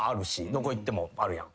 どこ行ってもあるやん。